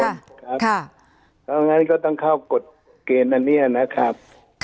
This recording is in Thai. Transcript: เพราะฉะนั้นก็ต้องเข้ากฎเกณฑ์อันนี้นะครับ